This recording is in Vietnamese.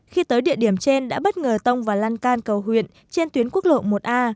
khi tới địa điểm trên đã bất ngờ tông và lan can cầu huyện trên tuyến quốc lộ một a